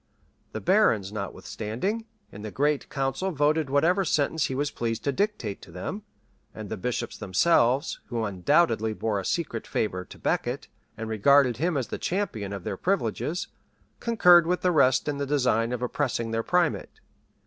The barons, notwithstanding, in the great council voted whatever sentence he was pleased to dictate to them; and the bishops themselves, who undoubtedly bore a secret favor to Becket, and regarded him as the champion of their privileges, concurred with the rest in the design of oppressing their primate.